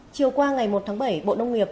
chiều qua ngày một tháng bảy bộ nông nghiệp